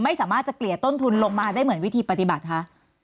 ไม่สามารถจะเกลี่ยต้นทุนลงมาได้เหมือนวิธีปฏิบัติคะ